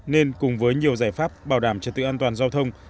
nên cùng với nhiều giải pháp bảo đảm trật tự an toàn giao thông